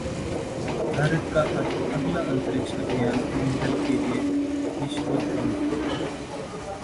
भारत का अगला अंतरिक्ष अभियान मंगल के लिए: इसरो प्रमुख